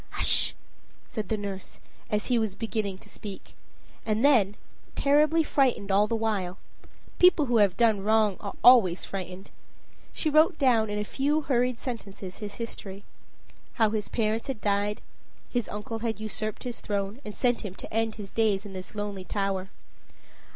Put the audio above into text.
"Hush!" said the nurse, as he was beginning to speak. And then, terribly frightened all the while, people who have done wrong always are frightened, she wrote down in a few hurried sentences his history. How his parents had died his uncle had usurped his throne, and sent him to end his days in this lonely tower.